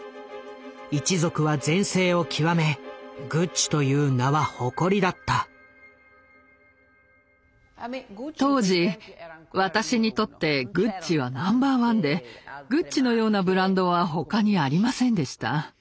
一族は全盛を極め当時私にとってグッチはナンバーワンでグッチのようなブランドは他にありませんでした。